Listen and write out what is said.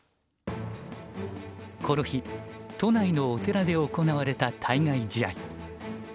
この日都内のお寺で行われた対外試合。